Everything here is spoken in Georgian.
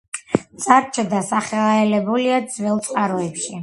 წარჩე დასახელებულია ძველ წყაროებში.